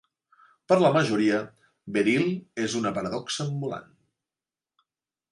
Per la majoria, Veril és una paradoxa ambulant.